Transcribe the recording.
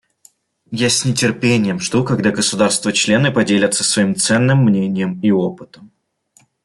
Я с нетерпением жду, когда государства-члены поделятся своим ценным мнением и опытом.